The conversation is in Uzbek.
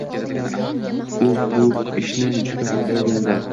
U bu ishlarini juda xohlagandi.